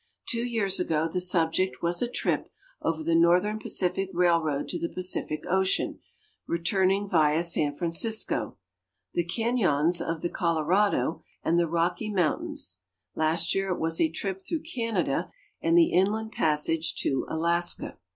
Two years ago the sui)ject was a trip over the Northern Pacific Railroad to the Pacific ocean, returning via San Francisco, the caiions of the Colorado, and the Rocky mountains. Last year it was a trip through Canada and the inland passage to Alaska.